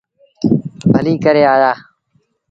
ڀليٚ ڪري آيآ۔